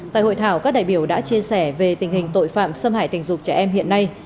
tại hội thảo các đại biểu đã chia sẻ về tình hình tội phạm xâm hại tình dục trẻ em hiện nay